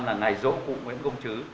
là ngày rỗ cụ nguyễn công chứ